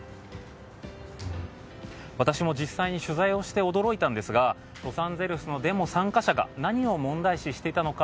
私も実際に取材をして驚いたんですがロサンゼルスのデモ参加者が何を問題視していたのか。